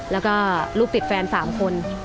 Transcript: แล้วก็ลูกติดแฟน๓คน